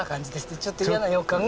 ちょっと嫌な予感が。